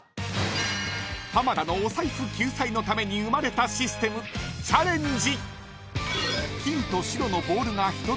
［浜田のお財布救済のために生まれたシステムチャレンジ］